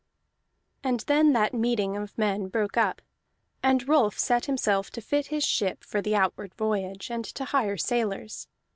And then that meeting of men broke up, and Rolf set himself to fit his ship for the outward voyage, and to hire sailors.